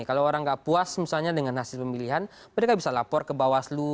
kalau orang tidak puas misalnya dengan hasil pemilihan mereka bisa lapor ke bawah selu